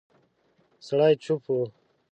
سړی چوپ و.